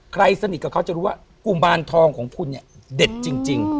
ใครสนิทกับเขาจะรู้ว่ากุมารทองของคุณเนี่ยเด็ดจริง